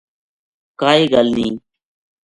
کائے گل نیہہ‘‘